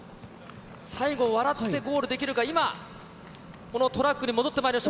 最後、笑ってゴールできるか、今、このトラックに戻ってまいりました。